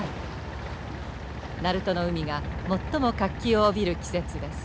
鳴門の海が最も活気を帯びる季節です。